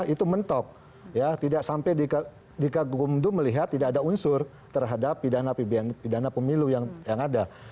itu mentok ya tidak sampai di kagumdu melihat tidak ada unsur terhadap pidana pemilu yang ada